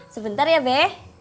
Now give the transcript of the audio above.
sebentar ya be